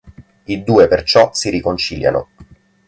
I due perciò si riconciliano.